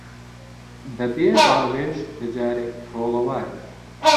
بە بێ ڕاویش بەجارێک کۆڵەوارم